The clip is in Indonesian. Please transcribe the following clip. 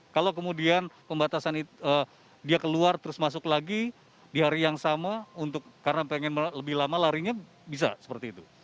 kalau kemudian pembatasan dia keluar terus masuk lagi di hari yang sama untuk karena pengen lebih lama larinya bisa seperti itu